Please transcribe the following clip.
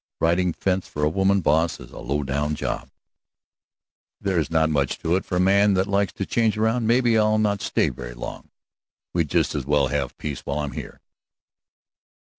"Riding fence for a woman boss is a low down job." "There's not much to it for a man that likes to change around. Maybe I'll not stay very long. We'd just as well have peace while I'm here."